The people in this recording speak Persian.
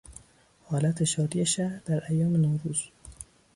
حالت شادی شهر در ایام نوروز